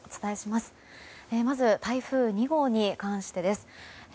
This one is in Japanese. まず、台風２号に関してお伝えします。